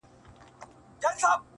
o د ټوکي نه پټاکه جوړه سوه.